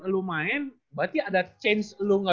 lumayan berarti ada change